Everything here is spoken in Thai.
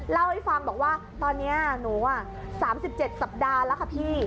เล่าให้ฟังบอกว่าตอนนี้หนู๓๗สัปดาห์แล้วค่ะพี่